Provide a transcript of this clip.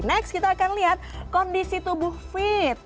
next kita akan lihat kondisi tubuh fit